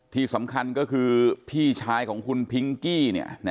ที่สำคัญก็คือพี่ชายของคุณพิงกี้